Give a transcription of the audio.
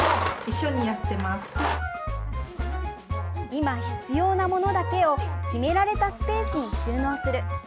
今、必要な物だけを決められたスペースに収納する。